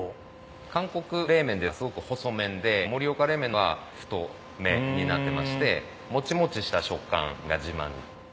韓国冷麺ってすごく細麺で盛岡冷麺は太麺になってましてモチモチした食感が自慢。